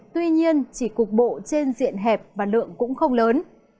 tuy nhiên chỉ cục bộ trên diện hẹp và lượng cũng không lớn